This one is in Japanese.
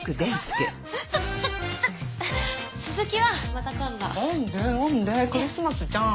クリスマスじゃん。